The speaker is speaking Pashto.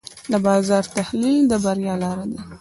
د بازار تحلیل د بریا لاره ده.